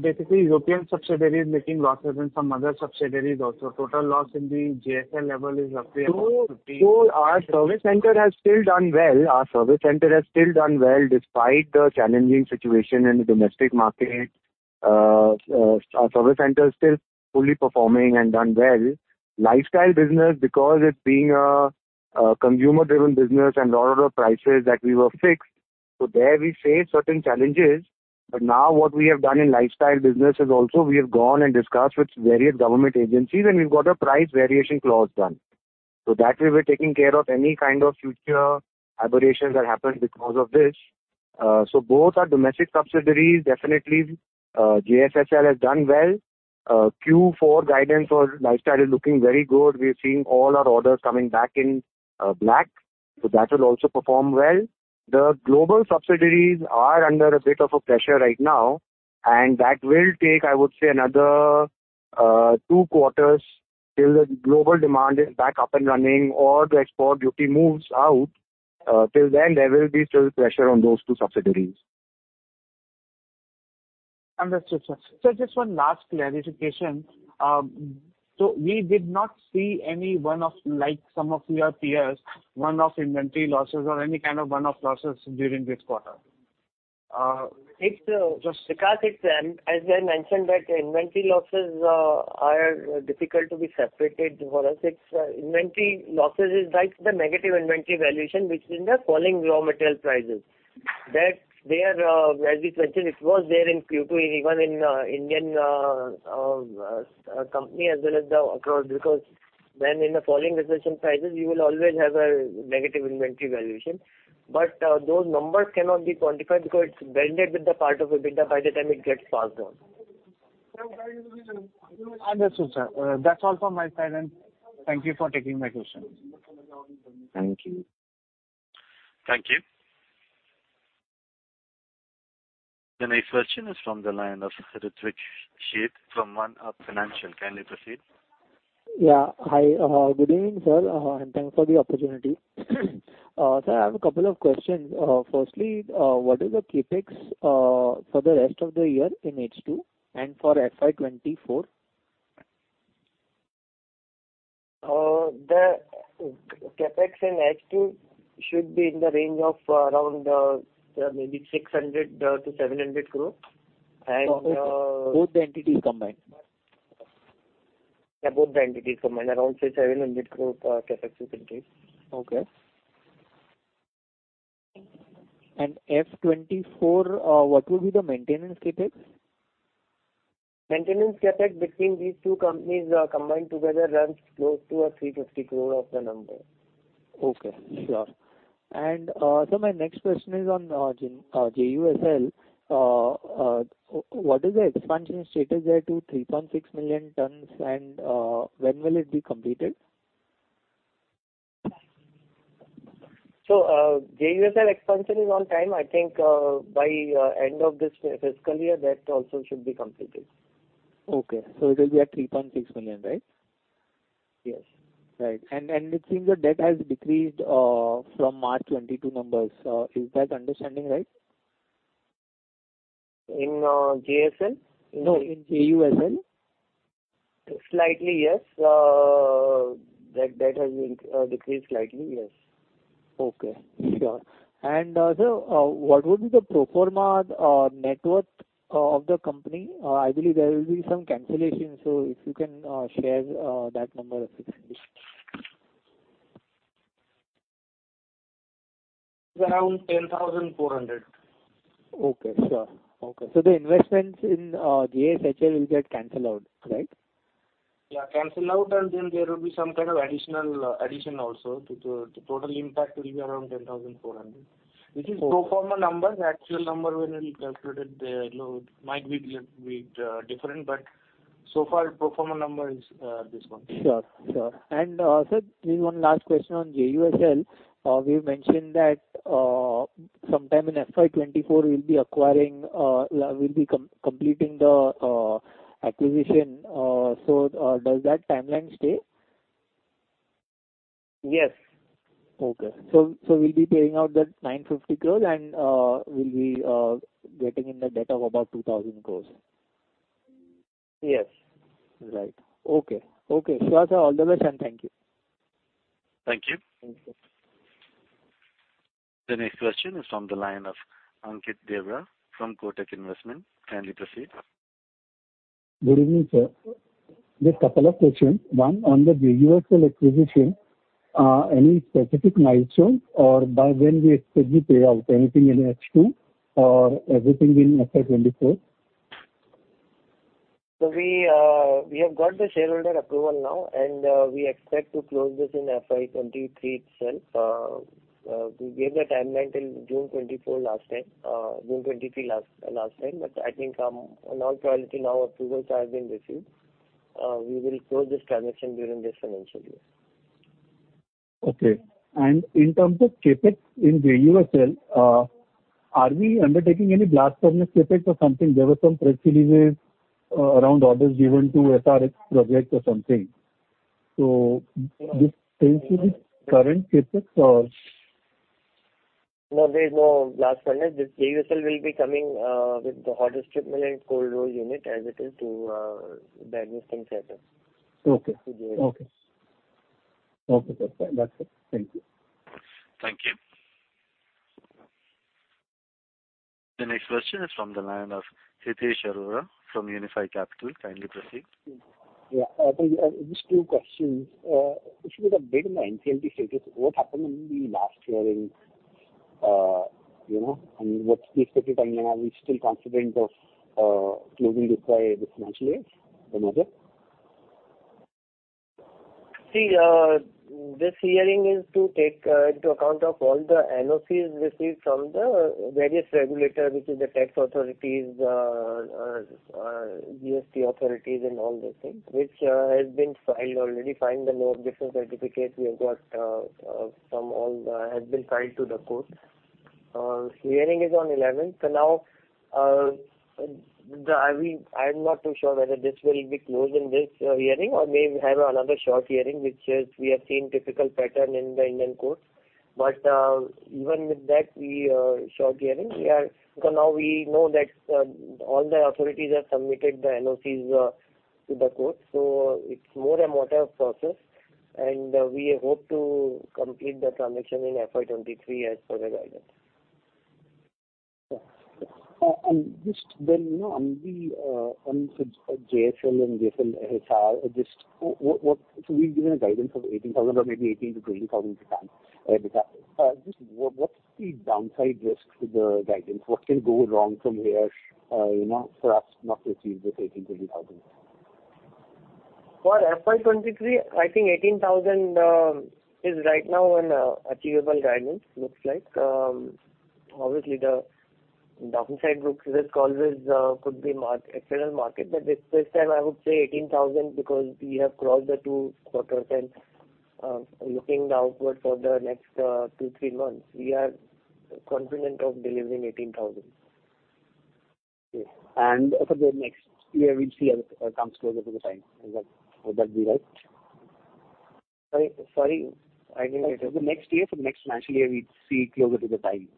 basically European subsidiaries making losses and some other subsidiaries also. Total loss in the JSL level is roughly about 50- Our service center has still done well. Our service center has still done well despite the challenging situation in the domestic market. Our service center is still fully performing and done well. Lifestyle business, because it's a consumer-driven business and lot of the prices that we were fixed, there we face certain challenges. Now what we have done in lifestyle business is also we have gone and discussed with various government agencies, and we've got a price variation clause done. That way we're taking care of any kind of future aberrations that happen because of this. Both our domestic subsidiaries, definitely, JSSL has done well. Q4 guidance for lifestyle is looking very good. We are seeing all our orders coming back in black. That will also perform well. The global subsidiaries are under a bit of a pressure right now, and that will take, I would say, another two quarters till the global demand is back up and running or the export duty moves out. Till then, there will be still pressure on those two subsidiaries. Understood, sir. Sir, just one last clarification. We did not see any one-off, like some of your peers, one-off inventory losses or any kind of one-off losses during this quarter. Uh, it's, uh- Just- It's as I mentioned that inventory losses are difficult to be separated for us. It's inventory losses is like the negative inventory valuation, which is in the falling raw material prices. That they are as we mentioned, it was there in Q2, even in Indian company as well as the across, because when in the falling recession prices, you will always have a negative inventory valuation. Those numbers cannot be quantified because it's blended with the part of EBITDA by the time it gets passed on. Understood, sir. That's all from my side, and thank you for taking my questions. Thank you. Thank you. The next question is from the line of Ritwik Sheth from One Up Financial. Kindly proceed. Yeah. Hi. Good evening, sir, and thanks for the opportunity. Sir, I have a couple of questions. Firstly, what is the CapEx for the rest of the year in H2 and for FY 2024? The CapEx in H2 should be in the range of around maybe 600-700 crore and Okay. Both the entities combined? Yeah, both the entities combined. Around, say, INR 700 crore CapEx we think is. Okay. FY24, what will be the maintenance CapEx? Maintenance CapEx between these two companies, combined together runs close to 350 crore of the number. Okay. Sure. Sir, my next question is on JUSL. What is the expansion status there to 3.6 million tons, and when will it be completed? JUSL expansion is on time. I think by end of this fiscal year, that also should be completed. Okay. It will be at 3.6 million, right? Yes. Right. It seems the debt has decreased from March 2022 numbers. Is that understanding right? In JSL? No, in JUSL. Slightly, yes. That debt has decreased slightly. Yes. Okay. Sure. Sir, what would be the pro forma net worth of the company? Ideally there will be some cancellation, so if you can share that number, if it's handy. Around 10,400. The investments in JSHL will get canceled out, right? Yeah, canceled out and then there will be some kind of additional addition also. The total impact will be around 10,400. Okay. Which is pro forma number. The actual number when we'll calculate it, you know, it might be little bit different, but so far pro forma number is this one. Sir, just one last question on JUSL. We've mentioned that sometime in FY 2024 we'll be completing the acquisition. Does that timeline stay? Yes. We'll be paying out that 950 crore and we'll be getting in the debt of about 2,000 crore? Yes. Right. Okay. Sir, all the best, and thank you. Thank you. Thank you. The next question is from the line of Ankit Deora from Kotak Investment. Kindly proceed. Good evening, sir. Just couple of questions. One, on the JUSL acquisition, any specific milestone or by when we expect the payout? Anything in H2 or everything in FY 2024? We have got the shareholder approval now, and we expect to close this in FY23 itself. We gave the timeline till June 2023 last time. I think, in all probability now approvals have been received, we will close this transaction during this financial year. Okay. In terms of CapEx in JUSL, are we undertaking any blast furnace CapEx or something? There were some press releases around orders given to SRX projects or something. This seems to be current CapEx or. No, there is no blast furnace. This JUSL will be coming with the hot strip mill and cold roll unit as it is to the Adani Stem Cell. Okay. Okay. To JSL. Okay. Okay. That's it. Thank you. Thank you. The next question is from the line of Hitesh Arora from Unifi Capital. Kindly proceed. I think, just two questions. If you were to update on the NCLT status, what happened in the last hearing, you know? What's the expected timeline? Are we still confident of closing this by this financial year, the merger? See, this hearing is to take into account all the NOCs received from the various regulators, which is the tax authorities, GST authorities and all those things, which has been filed already. We filed more different certificates we have got from all the has been filed to the court. Hearing is on 11th. I mean, I'm not too sure whether this will be closed in this hearing or may have another short hearing, which is we have seen typical pattern in the Indian courts. Even with that short hearing, we are. We know that all the authorities have submitted the NOCs to the court, so it's more a matter of process. We hope to complete the transaction in FY 23 as per the guidance. Okay. Just then, you know, on JSL and JSL Hisar. We've given a guidance of 18,000 or maybe 18,000-20,000 tons because what's the downside risk to the guidance? What can go wrong from here, you know, for us not to achieve this 18,000-20,000? For FY23, I think 18,000 is right now an achievable guidance, looks like. Obviously the downside risk as always could be external market. This time I would say 18,000 because we have crossed the two quarters and looking forward for the next two, three months, we are confident of delivering 18,000. Okay. For the next year, we'll see as it comes closer to the time. Is that? Would that be right? Sorry, sorry. I didn't get it. The next year, so next financial year, we'd see closer to ten times.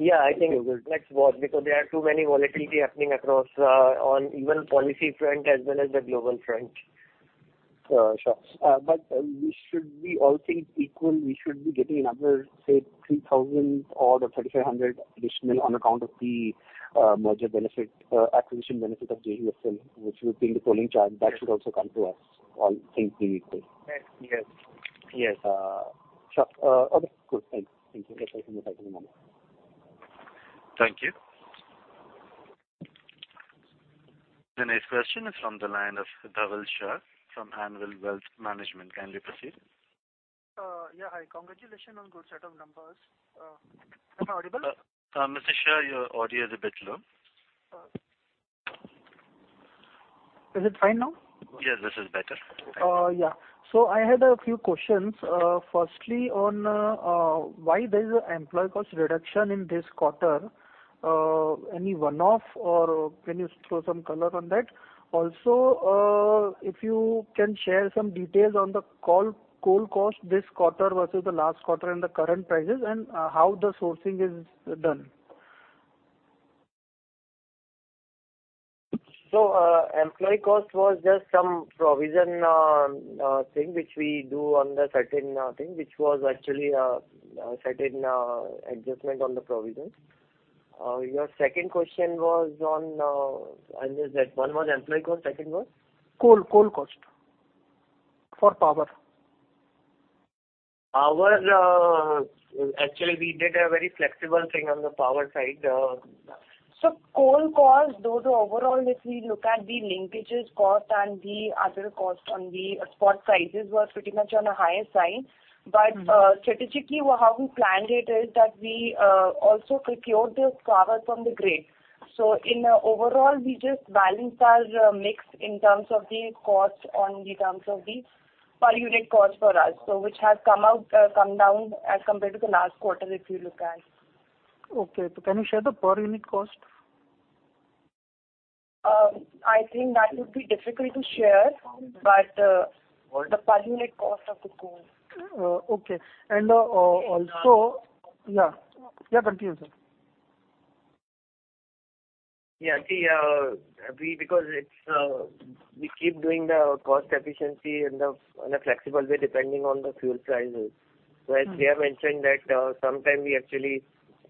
Yeah, I think let's watch because there are too many volatility happening across on even policy front as well as the global front. Sure. We should be all things equal, we should be getting another, say, 3,000 or 3,500 additional on account of the merger benefit, acquisition benefit of JUSL, which will be the pulling charge. That should also come to us all things being equal. Yes. Yes. Yes. Sure. Okay. Cool. Thank you. Thank you. The next question is from the line of Dhaval Shah from Anvil Wealth Management. Kindly proceed. Yeah. Hi. Congratulations on good set of numbers. Am I audible? Mr. Shah, your audio is a bit low. Is it fine now? Yes, this is better. Yeah. I had a few questions. Firstly on why there is an employee cost reduction in this quarter. Any one-off or can you throw some color on that? Also, if you can share some details on the coal cost this quarter versus the last quarter and the current prices and how the sourcing is done. Employee cost was just some provision thing which we do on the certain thing, which was actually certain adjustment on the provision. Your second question was on, as I said, one was employee cost, second was? Coal cost for power. Actually, we did a very flexible thing on the power side. Coal cost, though overall, if we look at the linkages cost and the other cost on the spot prices, were pretty much on a higher side. Strategically, how we planned it is that we also procured power from the grid. In the overall, we just balanced our mix in terms of the cost on the terms of the per unit cost for us. Which has come down as compared to the last quarter, if you look at. Okay. Can you share the per unit cost? I think that would be difficult to share, but the per unit cost of the coal. Okay. Also Yeah. Yeah. Yeah, continue, sir. See, we keep doing the cost efficiency in a flexible way depending on the fuel prices. Where Shreya mentioned that, sometimes we actually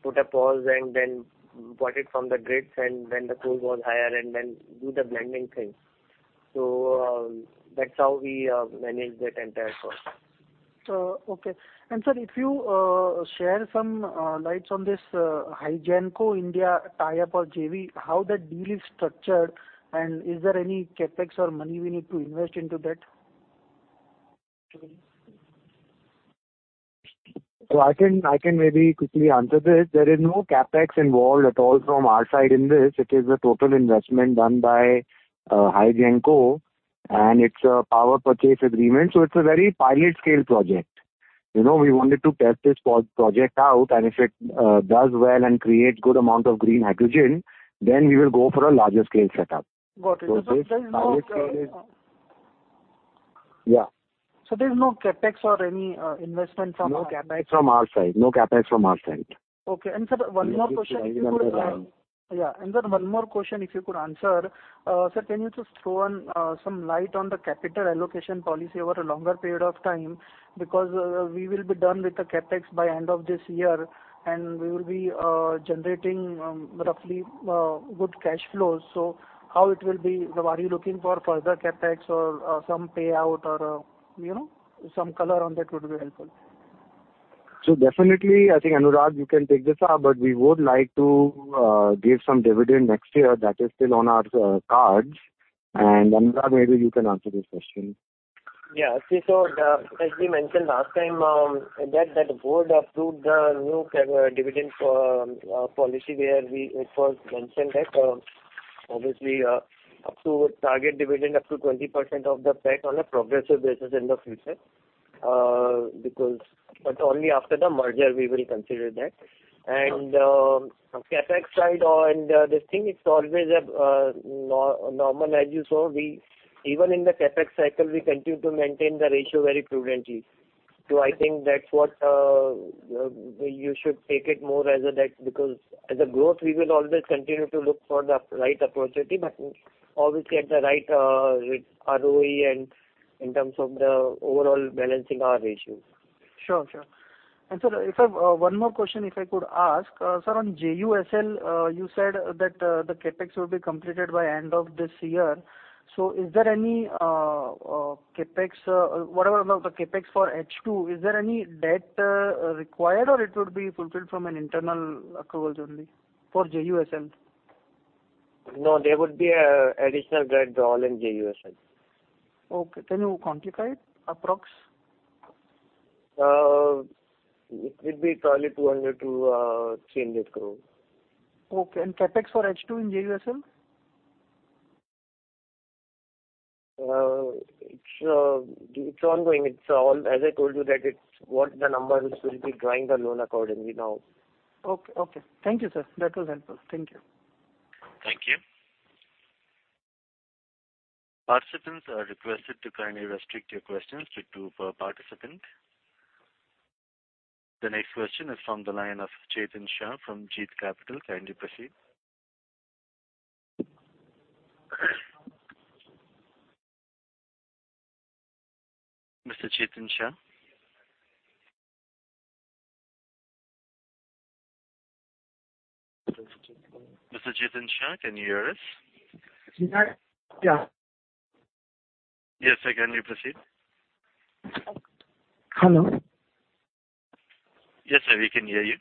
put a pause and then bought it from the grid and then the coal was higher and then do the blending thing. That's how we manage that entire cost. Sir, if you shed some light on this Hygenco India tie-up or JV, how that deal is structured, and is there any CapEx or money we need to invest into that? I can maybe quickly answer this. There is no CapEx involved at all from our side in this. It is a total investment done by Hygenco, and it's a power purchase agreement, so it's a very pilot scale project. You know, we wanted to test this project out, and if it does well and creates good amount of green hydrogen, then we will go for a larger scale setup. Got it. There's no, Yeah. There's no CapEx or any, investment from- No CapEx from our side. Sir, one more question if you could answer. Can you just throw some light on the capital allocation policy over a longer period of time? Because we will be done with the CapEx by end of this year, and we will be generating roughly good cash flows. How it will be? Are you looking for further CapEx or some payout or you know? Some color on that would be helpful. Definitely, I think, Anurag, you can take this up, but we would like to give some dividend next year. That is still on our cards. Anurag, maybe you can answer this question. Yeah. See, as we mentioned last time, that the board approved the new dividend policy where we at first mentioned that, obviously, up to target dividend up to 20% of the PAT on a progressive basis in the future. Only after the merger we will consider that. Okay. CapEx side and this thing, it's always normal as you saw. Even in the CapEx cycle, we continue to maintain the ratio very prudently. I think that's what you should take it more as a debt, because as a growth, we will always continue to look for the right opportunity, but obviously at the right ROE and in terms of the overall balancing our ratio. Sure. Sir, one more question if I could ask. Sir, on JUSL, you said that the CapEx will be completed by end of this year. Is there any CapEx, whatever the CapEx for H2, is there any debt required, or it would be fulfilled from an internal accruals only for JUSL? No, there would be an additional debt drawn in JUSL. Okay. Can you quantify it, approx? It could be probably 200-300 crore. Okay. CapEx for H2 in JUSL? It's ongoing. It's all as I told you that it's what the numbers will be drawing the loan accordingly now. Okay. Thank you, sir. That was helpful. Thank you. Thank you. Participants are requested to kindly restrict your questions to two per participant. The next question is from the line of Chetan Shah from Jeet Capital. Kindly proceed. Mr. Chetan Shah? Mr. Chetan Shah, can you hear us? Yeah. Yes, sir. Can you proceed? Hello. Yes, sir, we can hear you.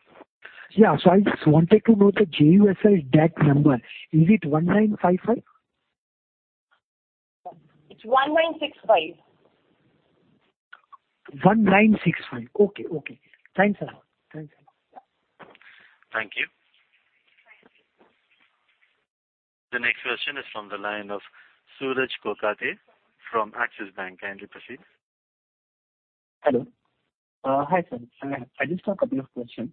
Yeah. I just wanted to know the JUSL debt number. Is it 1955? It's 1965. 1965. Okay. Thanks a lot. Thank you. The next question is from the line of Suraj Kokate from Axis Bank. Kindly proceed. Hello. Hi, sir. I just have a couple of questions.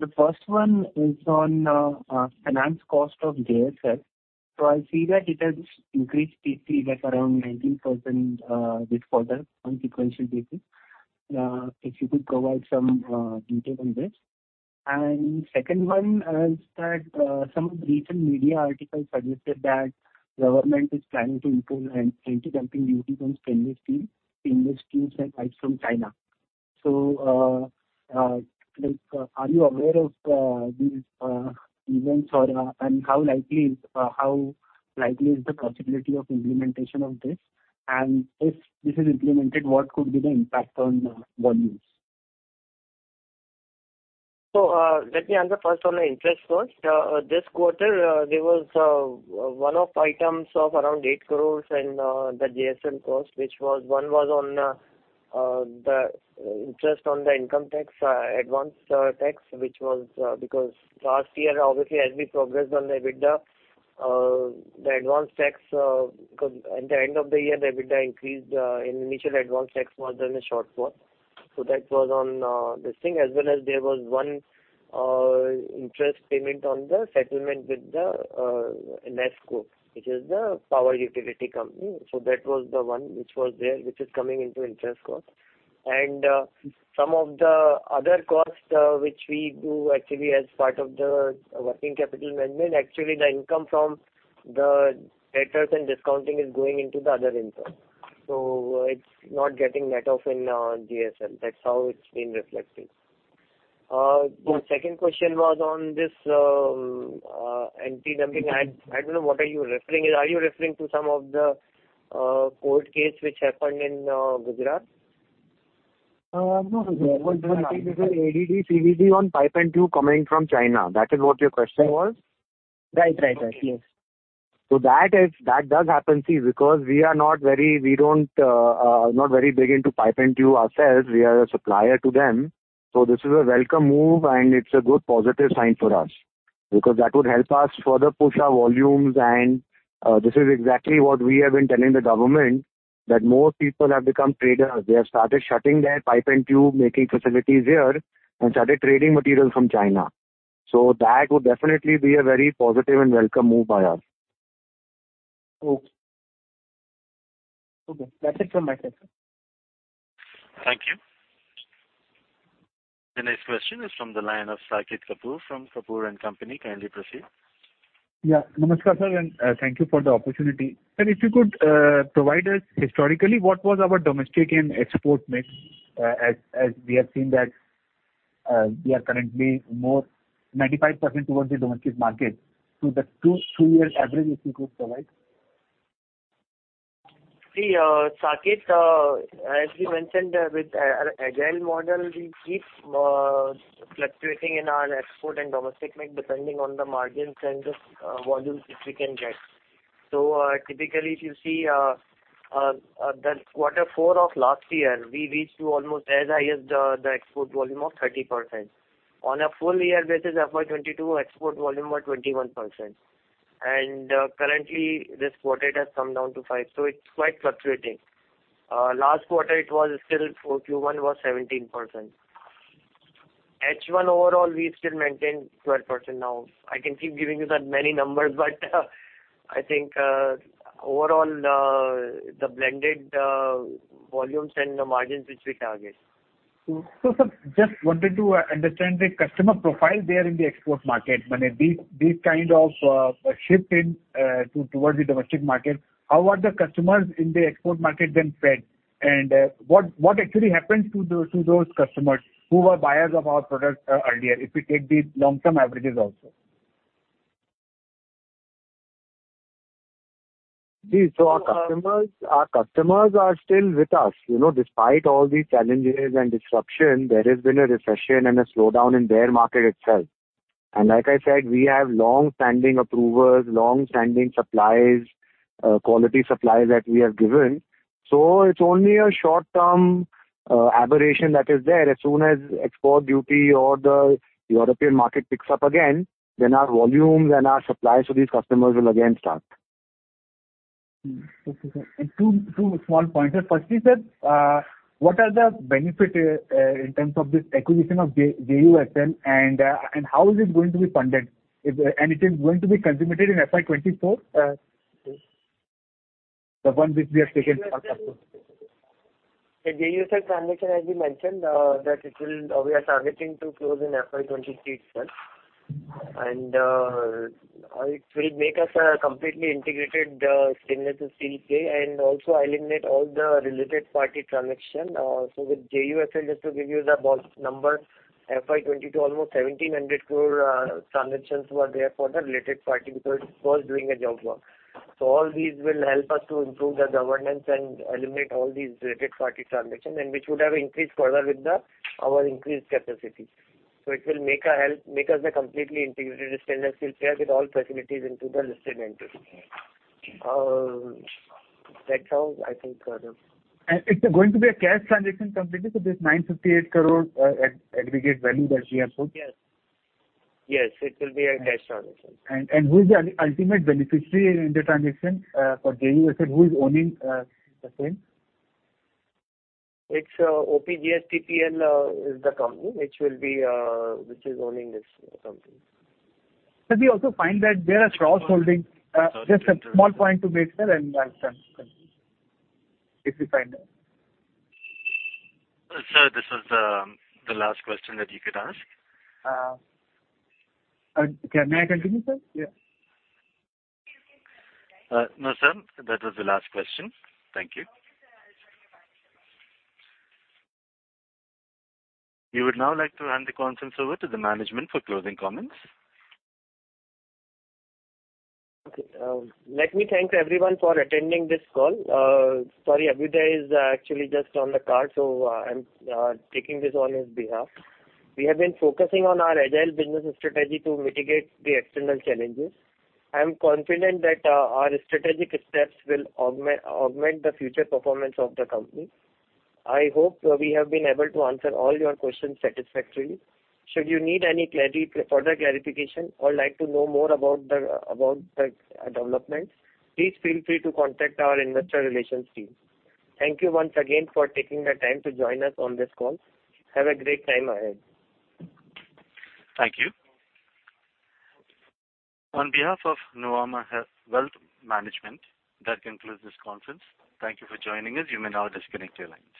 The first one is on finance cost of JSL. I see that it has increased pretty like around 19%, this quarter on sequential basis. If you could provide some detail on this. Second one is that some of the recent media articles suggested that government is planning to impose an anti-dumping duty on stainless steel and pipes from China. Like, are you aware of these events? And how likely is the possibility of implementation of this? And if this is implemented, what could be the impact on the volumes? Let me answer first on the interest cost. This quarter, there was one-off items of around 8 crores in the JSL cost, which was on the interest on the income tax advance tax, which was because last year, obviously, as we progressed on the EBITDA, the advance tax at the end of the year, the EBITDA increased, initial advance tax was in a shortfall. That was on this thing. As well as there was one interest payment on the settlement with the NESCO, which is the power utility company. That was the one which was there, which is coming into interest cost. Some of the other costs, which we do actually as part of the working capital management. Actually the income from the debtors and discounting is going into the other interest. It's not getting net off in JSL. That's how it's been reflecting. The second question was on this anti-dumping. I don't know what are you referring. Are you referring to some of the court case which happened in Gujarat? No. I think it was ADD, CVD on pipe and tube coming from China. That is what your question was? Right. Yes. That does happen, see, because we are not very big into pipe and tube ourselves. We are a supplier to them. This is a welcome move, and it's a good positive sign for us because that would help us further push our volumes. This is exactly what we have been telling the government, that most people have become traders. They have started shutting their pipe and tube making facilities here and started trading material from China. That would definitely be a very positive and welcome move by us. Okay. Okay, that's it from my side, sir. Thank you. The next question is from the line of Saket Kapoor from Kapoor & Company. Kindly proceed. Namaskar, sir, and thank you for the opportunity. If you could provide us historically what was our domestic and export mix, as we have seen that we are currently more 95% towards the domestic market. The two-year average, if you could provide. See, Saket, as we mentioned with our agile model, we keep fluctuating in our export and domestic mix depending on the margins and the volumes which we can get. Typically if you see, the quarter four of last year, we reached almost as high as the export volume of 30%. On a full year basis, FY22 export volume was 21%. Currently this quarter it has come down to 5%, so it's quite fluctuating. Last quarter for Q1 was 17%. H1 overall we still maintain 12% now. I can keep giving you so many numbers, but I think, overall, the blended volumes and the margins which we target. Sir, just wanted to understand the customer profile there in the export market. I mean, this kind of shift towards the domestic market, how are the customers in the export market then fed? What actually happens to those customers who were buyers of our products earlier, if we take the long-term averages also? These are our customers. Our customers are still with us. You know, despite all these challenges and disruption, there has been a recession and a slowdown in their market itself. Like I said, we have long-standing approvals, long-standing suppliers, quality supplies that we have given. It's only a short-term aberration that is there. As soon as export demand or the European market picks up again, then our volumes and our supplies to these customers will again start. Okay, sir. Two small pointers. Firstly, sir, what are the benefit in terms of this acquisition of JUSL, and how is it going to be funded? It is going to be consummated in FY2024, the one which we have taken up. The JUSL transaction, as we mentioned, that it will. We are targeting to close in FY23 itself. It will make us a completely integrated stainless steel player and also eliminate all the related party transaction. With JUSL, just to give you the ballpark number, FY22 almost 1,700 crore transactions were there for the related party because it was doing a job work. All these will help us to improve the governance and eliminate all these related party transaction and which would have increased further with our increased capacity. It will make us a completely integrated stainless steel player with all facilities into the listed entity. That's all I think for now. It's going to be a cash transaction completely, so this 958 crore aggregate value that we have put? Yes. Yes, it will be a cash transaction. Who is the ultimate beneficiary in the transaction for JUSL? Who is owning the same? It's OPJSTPL is the company which is owning this company. Sir, we also find that there are cross-holding. Just a small point to make, sir, and I'll stand corrected. If you find that. Sir, this is the last question that you could ask. Okay. May I continue, sir? Yeah. No, sir. That was the last question. Thank you. We would now like to hand the conference over to the management for closing comments. Okay. Let me thank everyone for attending this call. Sorry, Abhyuday is actually just in the car, so I'm taking this on his behalf. We have been focusing on our agile business strategy to mitigate the external challenges. I am confident that our strategic steps will augment the future performance of the company. I hope we have been able to answer all your questions satisfactorily. Should you need any clarity, further clarification, or like to know more about the developments, please feel free to contact our investor relations team. Thank you once again for taking the time to join us on this call. Have a great time ahead. Thank you. On behalf of Nuvama Wealth Management, that concludes this conference. Thank you for joining us. You may now disconnect your lines.